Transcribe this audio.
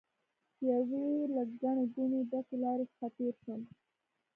د یوې له ګڼې ګوڼې ډکې لارې څخه تېر شوم.